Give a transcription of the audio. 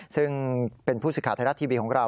ซึ่งเป็นผู้สื่อข่าวไทยรัฐทีวีของเรา